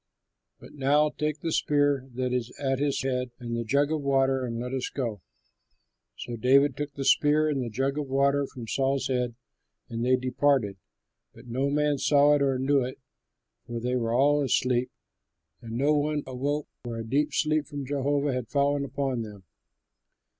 But now take the spear that is at his head and the jug of water, and let us go." So David took the spear and the jug of water from Saul's head, and they departed. But no man saw it or knew it, for they were all asleep, and no one awoke, for a deep sleep from Jehovah had fallen upon them.